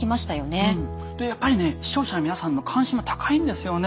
やっぱりね視聴者の皆さんの関心も高いんですよね。